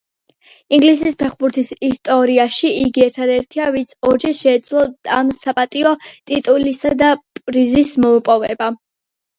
ინგლისის ფეხბურთის ისტორიაში იგი ერთადერთია ვინც ორჯერ შეძლო ამ საპატიო ტიტულისა და პრიზის მოპოვება.